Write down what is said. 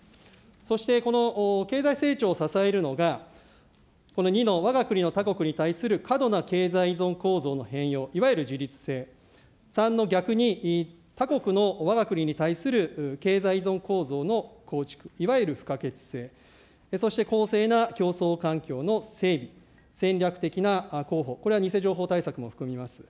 そしてこの経済成長を支えるのがこの２の、わが国の他国に対する過度な経済依存構造の変容、いわゆる自律性、３の逆に他国のわが国に対する経済依存構造の構築、いわゆる不可欠性、そして公正な競争環境の整備、戦略的な広報、これは偽情報対策も含みます。